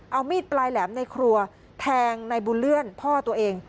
เอามีดปลายแหลมในครัวแทงในบุญเลื่อนพ่อตัวเอง